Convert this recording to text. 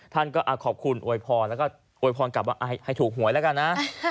ท่านก็ขอบคุณอวยพรแล้วก็โวยพรกลับว่าให้ถูกหวยแล้วกันนะ